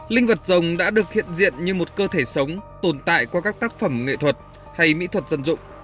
linh vật rồng đã được hiện diện như một cơ thể sống tồn tại qua các tác phẩm nghệ thuật hay mỹ thuật dân dụng